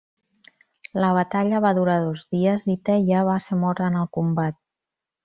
La batalla va durar dos dies i Teia va ser mort en el combat.